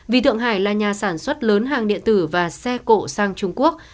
vì thượng hải là nhà sản xuất lớn hàng điện tử và xe cộ sang trung quốc